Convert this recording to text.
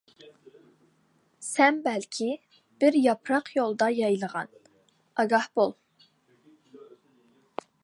سەن بەلكى، بىر ياپراق يولدا پايلىغان، ئاگاھ بول!